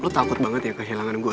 lo takut banget ya kehilangan gue